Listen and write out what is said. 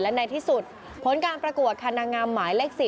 และในที่สุดผลการประกวดค่ะนางงามหมายเลข๔